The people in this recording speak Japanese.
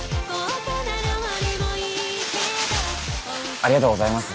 ありがとうございます。